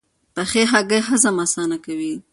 پخې هګۍ هضم اسانه کوي.